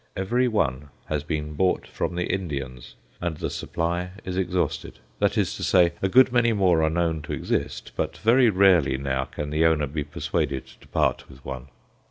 Every one has been bought from the Indians, and the supply is exhausted; that is to say, a good many more are known to exist, but very rarely now can the owner be persuaded to part with one.